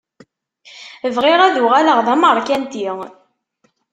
Bɣiɣ ad uɣaleɣ d ameṛkanti.